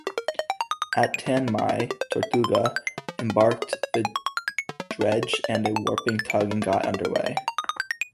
At Tan My, "Tortuga" embarked the dredge and a warping tug and got underway.